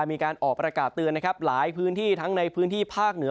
มีการออกประกาศเตือนนะครับหลายพื้นที่ทั้งในพื้นที่ภาคเหนือ